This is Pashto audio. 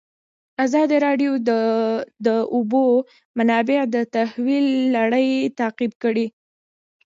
ازادي راډیو د د اوبو منابع د تحول لړۍ تعقیب کړې.